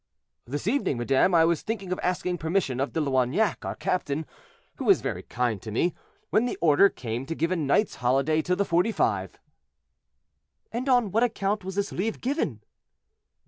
"This evening, madame, I was thinking of asking permission of De Loignac, our captain, who is very kind to me, when the order came to give a night's holiday to the Forty five." "And on what account was this leave given?"